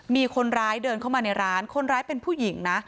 มีคนร้ายเดินเข้ามาในร้านคนร้ายเป็นผู้หญิงนะ